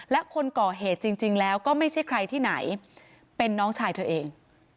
และคนก่อเหตุจริงแล้วก็ไม่ใช่ใครที่ไหนเป็นน้องชายเธอเอง